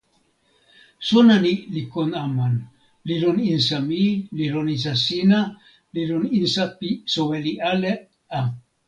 sona ni li kon Aman, li lon insa mi, li lon insa sina, li lon insa pi soweli ale a.